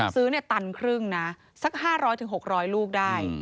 ซื้อตันครึ่งนะสัก๕๐๐๖๐๐ลูกได้